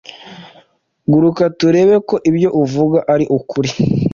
Guruka turebe ko ibyo uvga ari ukuri